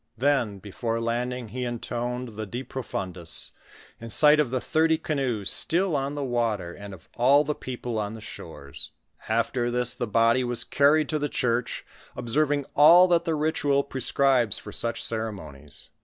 Then, before land ing, he intoned the " De Frofundis" in sight of the thirty canoes still on the water, and of all the people on the shores ; after this the body was carried to the church, observing all that the ritual prescribes for such ceremonies.